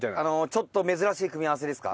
ちょっと珍しい組み合わせですか？